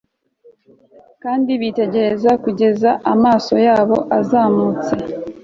kandi witegereze kugeza amaso yabo azamutse